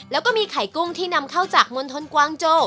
แล้วก็มีไข่กุ้งที่นำเข้าจากมณฑลกวางโจ